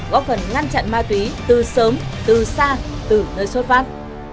góp phần ngăn chặn ma túy từ sớm từ xa từ nơi xuất phát